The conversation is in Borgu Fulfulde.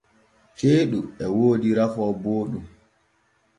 Ceeɗu e woodi rafoo booɗɗum.